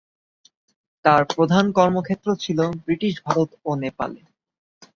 তার প্রধান কর্মক্ষেত্র ছিল ব্রিটিশ ভারত ও নেপালে।